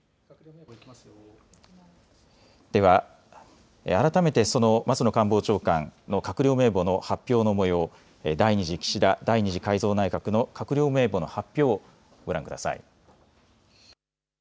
では改めてその松野官房長官の閣僚名簿の発表のもよう、第２次岸田第２次改造内閣の閣僚名簿の発表、ご覧ください。